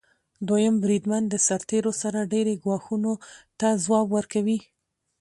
دویم بریدمن د سرتیرو سره ډیری ګواښونو ته ځواب ورکوي.